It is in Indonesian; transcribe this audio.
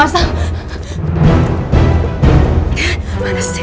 aku sudah terpaksa